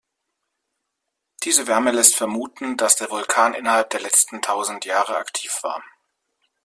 Diese Wärme lässt vermuten, dass der Vulkan innerhalb der letzten tausend Jahre aktiv war.